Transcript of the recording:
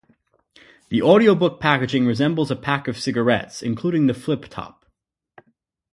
The audiobook packaging resembles a pack of cigarettes, including the flip top.